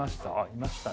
いましたね。